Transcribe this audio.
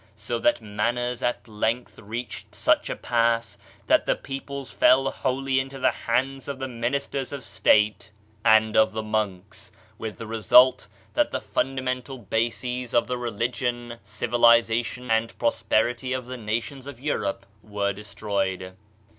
So that matters at length reached such a pass that the peoples fell wholly into the hands of the ministers of state and of the monks, with the result that the fundamental bases of the religion, civilization, and prosperity of the nations of Europe were destroyed.